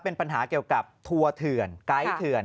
เป็นปัญหาเกี่ยวกับทัวร์เถื่อนไกด์เถื่อน